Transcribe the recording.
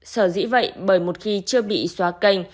sở dĩ vậy bởi một khi chưa bị xóa canh